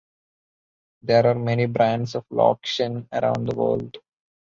There are many brands of lokshen around the world.